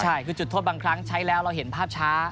ใช่คือจุดโทษบางครั้งใช้แล้วเราเห็นภาพช้า